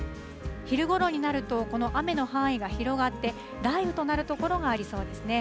昼ごろになるとこの雨の範囲が広がって雷雨となる所がありそうです。